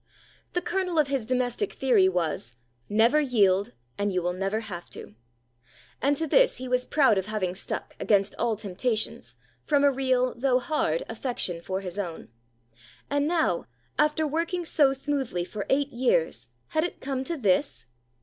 The kernel of his domestic theory was, "Never yield, and you never will have to," and to this he was proud of having stuck against all temptations from a real, though hard, affection for his own; and now, after working so smoothly for eight years, had it come to this?